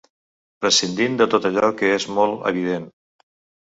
Prescindint de tot allò que és molt evident.